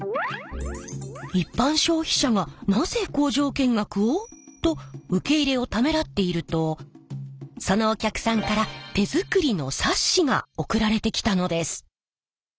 一般消費者がなぜ工場見学を？と受け入れをためらっているとそのお客さんから手作りの冊子が送られてきたのです。